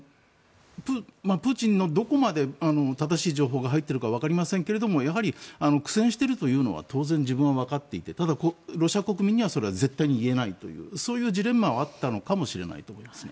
プーチン、どこまで正しい情報が入っているかわかりませんけどやはり苦戦しているというのは当然、自分はわかっていてただ、ロシア国民には絶対言えないというそういうジレンマはあったのかもしれないと思います。